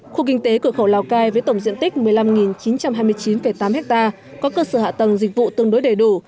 khu kinh tế cửa khẩu lào cai với tổng diện tích một mươi năm chín trăm hai mươi chín tám ha có cơ sở hạ tầng dịch vụ tương đối đầy đủ